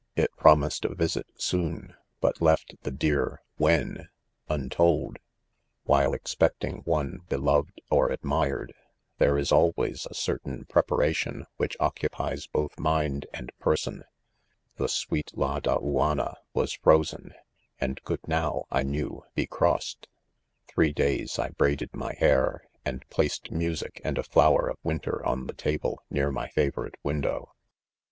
It' promised a visit soon, but left the dear when untold* 6 While expecting one beloved or admired, there is always a certain preparation which occupies both mind and person. The sweet Ladauanna, was frozen, and could now, I knew, be crossed. Three days I braided my hair, and placed music and a flower of winter on the table near my favorite window.